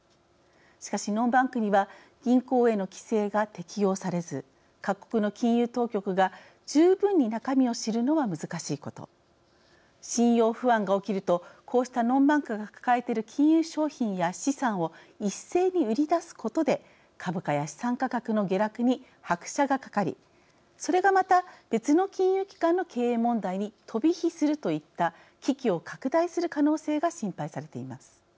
しかし、ノンバンクには銀行への規制が適用されず各国の金融当局が十分に中身を知るのは難しいこと信用不安が起きるとこうしたノンバンクが抱えている金融商品や資産を一斉に売り出すことで株価や資産価格の下落に拍車がかかりそれが、また別の金融機関の経営問題に飛び火するといった危機を拡大する可能性が心配されています。